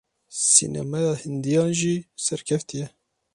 Sînemaya Hindiyan jî serketî ye.